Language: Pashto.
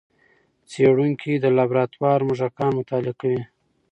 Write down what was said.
څېړونکي د لابراتوار موږکان مطالعه کوي.